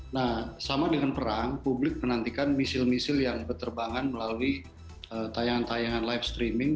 nah sama dengan perang publik menantikan misil misil yang berterbangan melalui tayangan tayangan live streaming